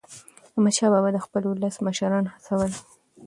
احمدشاه بابا به د خپل ولس مشران هڅول.